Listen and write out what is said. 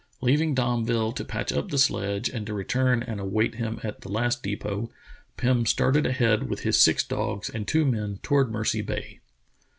Leaving Domville to patch up the sledge and to re turn and await him at the last depot, Pim started ahead with his six dogs and two men toward Alercy Bay.